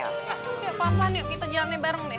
ya ya pelan pelan yuk kita jalannya bareng deh